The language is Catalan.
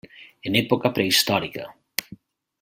En època prehistòrica.